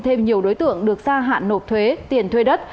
thêm nhiều đối tượng được gia hạn nộp thuế tiền thuê đất